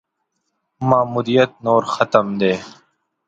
ماموریت نور ختم دی.